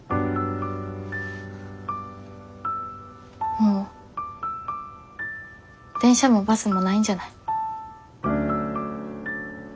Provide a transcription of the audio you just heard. もう電車もバスもないんじゃない？